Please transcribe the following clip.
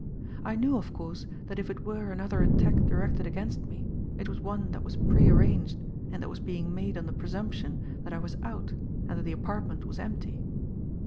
I knew, of course, that if it were another attack directed against me, it was one that was prearranged and that was being made on the presumption that I was out and that the apartment was empty.